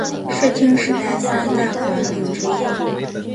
室町时代三大管领之一。